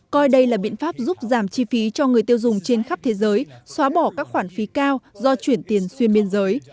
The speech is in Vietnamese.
coi đây là biện pháp giúp giảm chi phí cho người tiêu dùng trên khắp thế giới xóa bỏ các khoản phí cao do chuyển tiền xuyên biên giới